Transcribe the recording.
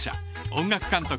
音楽監督